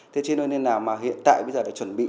thế cho nên là hiện tại bây giờ phải chuẩn bị